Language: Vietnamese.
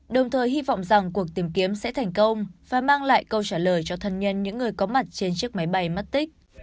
đồng thời hy vọng rằng cuộc tìm kiếm sẽ thành công và mang lại câu trả lời cho thân nhân những người có mặt trên chiếc máy bay mất tích